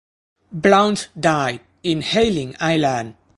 Blount died in Hayling Island.